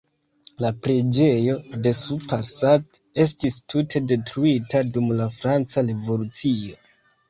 La preĝejo de Sous-Parsat estis tute detruita dum la franca revolucio.